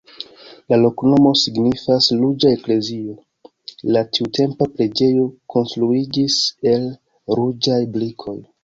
La loknomo signifas: ruĝa-eklezio, la tiutempa preĝejo konstruiĝis el ruĝaj brikoj.